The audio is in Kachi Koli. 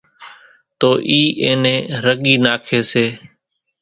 تو اِي اين نين رڳي ناکي سي